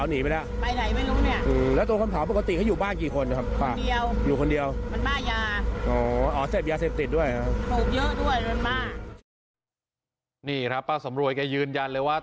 นี่ครับป้าสำรวยแกยืนยันเลยว่า